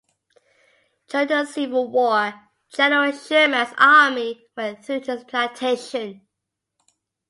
During the Civil War, General Sherman's army went through his plantation.